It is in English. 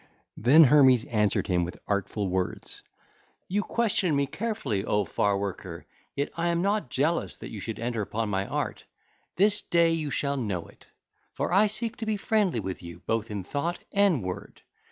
(ll. 463 495) Then Hermes answered him with artful words: 'You question me carefully, O Far worker; yet I am not jealous that you should enter upon my art: this day you shall know it. For I seek to be friendly with you both in thought and word.